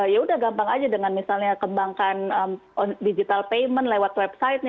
ya udah gampang aja dengan misalnya kembangkan digital payment lewat websitenya